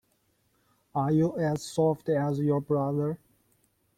Are you as soft as your brother?